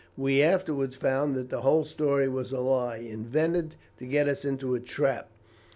We afterwards found that the whole story was a lie, invented to get us into a trap.